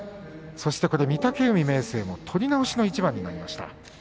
そして御嶽海、明生も取り直しの一番になりました。